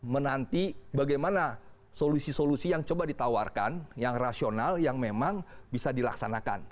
menanti bagaimana solusi solusi yang coba ditawarkan yang rasional yang memang bisa dilaksanakan